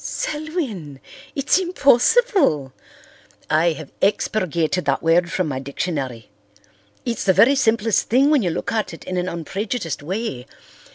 "Selwyn! It's impossible." "I have expurgated that word from my dictionary. It's the very simplest thing when you look at it in an unprejudiced way.